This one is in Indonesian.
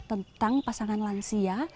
tentang pasangan lansia